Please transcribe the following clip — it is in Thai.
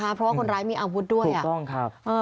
เพราะว่าคนร้ายมีอาวุธด้วยถูกต้องครับ